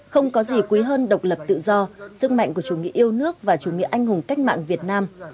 không có gì quý hơn độc lập tự do sức mạnh của chủ nghĩa yêu nước và chủ nghĩa anh hùng cách mạng việt nam